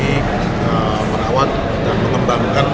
untuk merawat dan mengembangkan